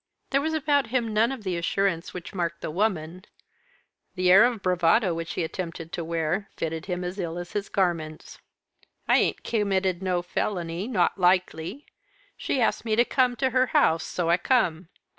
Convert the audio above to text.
There was about him none of the assurance which marked the woman the air of bravado which he attempted to wear fitted him as ill as his garments. "I ain't committed no felony, not likely. She asked me to come to her house so I come.